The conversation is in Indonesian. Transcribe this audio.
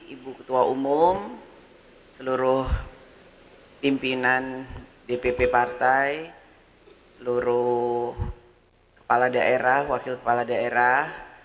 ibu ketua umum seluruh pimpinan dpp partai seluruh kepala daerah wakil kepala daerah